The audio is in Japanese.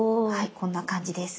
こんな感じです。